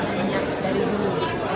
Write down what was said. sebenarnya dari dulu